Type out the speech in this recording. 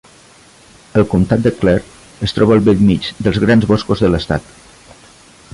El comtat de Clare es troba al bell mig de grans boscos de l'estat.